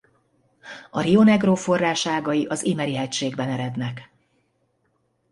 A Rio Negro forráságai az Imeri-hegységben erednek.